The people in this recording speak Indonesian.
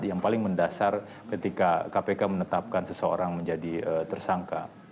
yang paling mendasar ketika kpk menetapkan seseorang menjadi tersangka